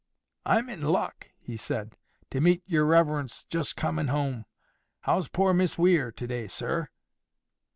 "I'm in luck," he said, "to meet yer reverence just coming home. How's poor Miss Weir to day, sir?"